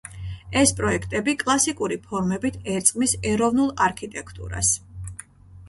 ეს პროექტები კლასიკური ფორმებით ერწყმის ეროვნულ არქიტექტურას.